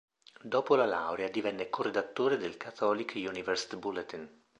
Dopo la laurea divenne co-redattore del "Catholic Universe Bulletin".